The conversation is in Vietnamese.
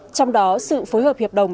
trong đó sự phối hợp hiệp đồng